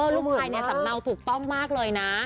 ลูกชายในสำเนาถูกต้องมากเลยนะ